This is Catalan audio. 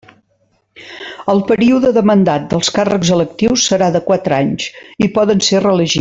El període de mandat dels càrrecs electius serà de quatre anys i poden ser reelegits.